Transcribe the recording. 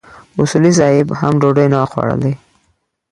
اصولي صیب هم ډوډۍ نه وه خوړلې.